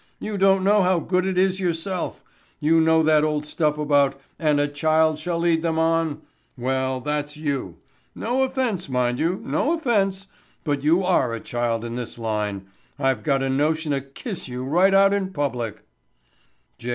"You don't know how good it is yourself. You know that old stuff about 'and a child shall lead them on.' Well, that's you. No offense, mind you, no offense, but you are a child in this line. I've got a notion to kiss you right out in public." J.